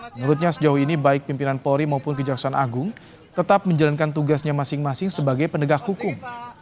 menurutnya sejauh ini baik pimpinan polri maupun kejaksaan agung tetap menjalankan tugasnya masing masing sebagai penegak hukum